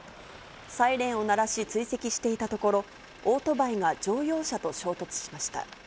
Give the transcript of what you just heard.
サイレンを鳴らし、追跡していたところ、オートバイが乗用車と衝突しました。